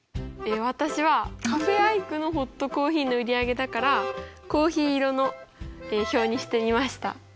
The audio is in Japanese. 私はカフェ・アイクのホットコーヒーの売り上げだからコーヒー色の表にしてみました。